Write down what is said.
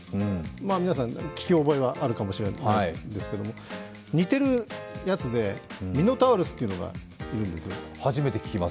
皆さん、聞き覚えはあるかもしれないんですけど、似ているやつで、ミノタウロスっていうのがいるんです。